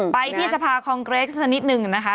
ไปที่สภาคองเกรสสักนิดหนึ่งนะคะ